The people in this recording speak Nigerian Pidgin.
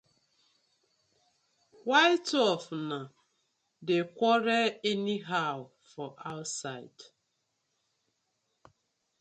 Why two of una dey quarel anyhow for ouside.